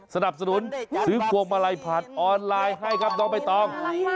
สนับสนุนซื้อพวงมาลัยผ่านออนไลน์ให้ครับน้องใบตอง